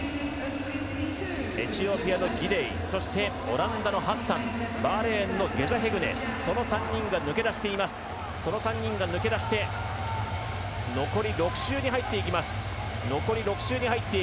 エチオピアのギデイオランダのハッサンバーレーンのゲザヘグネその３人が抜け出して残り６周に入っていきます。